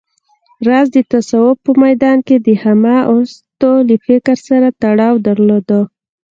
راز د تصوف په ميدان کې د همه اوست له فکر سره تړاو درلود